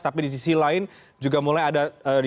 tapi di sisi lain juga mulai ada di